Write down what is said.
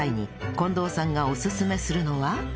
近藤さんがオススメするのは？